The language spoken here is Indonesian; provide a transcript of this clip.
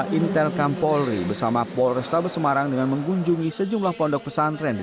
tim telkom polri bersama polres saber semarang dengan mengunjungi sejumlah pondok pesantren di